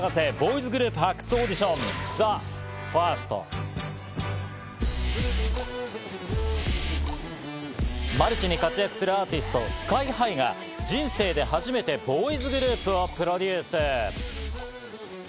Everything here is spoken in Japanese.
ちょっマルチに活躍するアーティスト・ＳＫＹ−ＨＩが人生で初めてボーイズグループをプロデュース。